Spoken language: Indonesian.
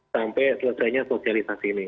sampai selesainya sosialisasi ini